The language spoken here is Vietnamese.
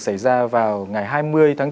xảy ra vào ngày hai mươi tháng bốn